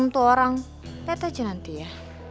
tuh orang peto aja nanti ya